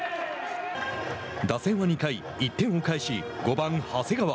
打線は２回１点を返し、５番長谷川。